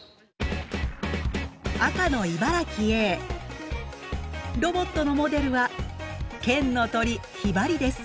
赤の茨城Ａロボットのモデルは県の鳥「ヒバリ」です。